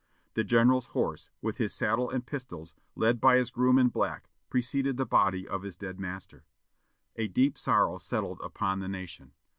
The general's horse, with his saddle and pistols, led by his groom in black, preceded the body of his dead master. A deep sorrow settled upon the nation.